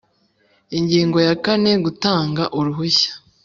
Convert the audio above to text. Ingingo ya kane Gutanga uruhushya